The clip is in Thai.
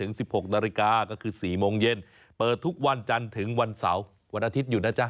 เอาอีกแล้วเอาชีวิตจริงมาพูดอีกแล้ว